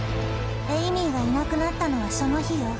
エイミーがいなくなったのはその日よ。